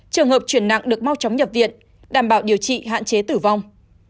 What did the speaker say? trường hợp chuyển nặng được mau chóng nhập viện đảm bảo điều trị hạn chế tử vong